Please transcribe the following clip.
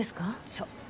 そう。